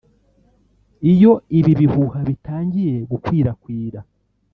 Iyo ibi bihuha bitangiye gukwirakwira